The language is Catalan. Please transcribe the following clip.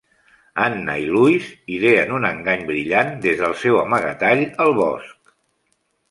Anna i Louis ideen un engany brillant des del seu amagatall al bosc.